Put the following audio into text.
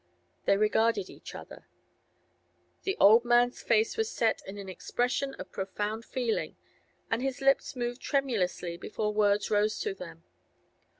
They regarded each other. The old man's face was set in an expression of profound feeling, and his lips moved tremulously before words rose to them.